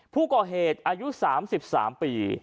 ผู้ก่อเหตุอายุ๓๓ปี